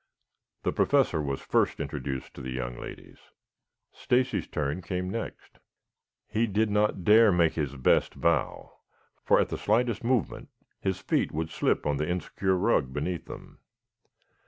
The Professor was first introduced to the young ladies. Stacy's turn came next. He did not dare make his best bow, for at the slightest movement his feet would slip on the insecure rug beneath them.